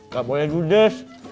gak boleh judes